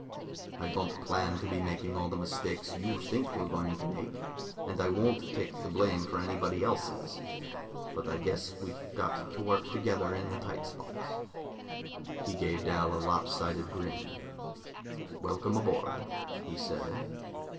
I don't plan to be making all the mistakes you think we're going to make, and I won't take the blame for anybody else's, but I guess we've got to work together in the tight spots." He gave Dal a lop sided grin. "Welcome aboard," he said.